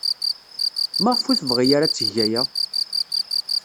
Maɣef ur tebɣi ara ad teg aya?